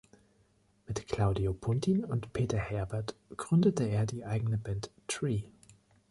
Mit Claudio Puntin und Peter Herbert gründete er die eigene Band "Tree".